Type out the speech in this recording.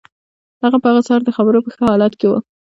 هغه په هغه سهار د خبرو په ښه حالت کې و